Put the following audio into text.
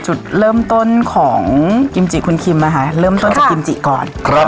จุดเริ่มต้นของกิมจิคุณคิมนะคะเริ่มต้นจากกิมจิก่อน